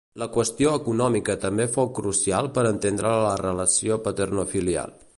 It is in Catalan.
La qüestió econòmica també fou crucial per entendre la relació paternofilial.